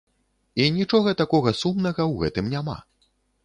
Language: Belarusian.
І нічога такога сумнага ў гэтым няма.